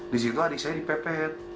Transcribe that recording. di situ adik saya dipepet